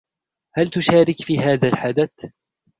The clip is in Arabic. هل تشارك في هذا الحدث ؟